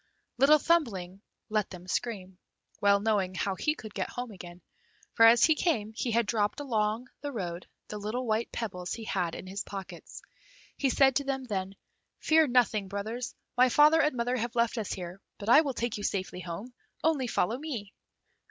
Little Thumbling let them scream, well knowing how he could get home again, for as he came he had dropped all along the road the little white pebbles he had in his pockets. He said to them then, "Fear nothing, brothers, my father and mother have left us here, but I will take you safely home, only follow me."